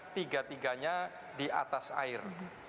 tiga tiganya di atas air